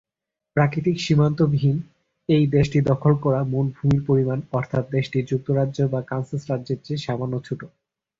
প্রাকৃতিক সীমান্ত বিহীন এই দেশটির দখল করা মোট ভূমির পরিমাণ অর্থাৎ দেশটি যুক্তরাজ্য বা কানসাস রাজ্যের চেয়ে সামান্য ছোট।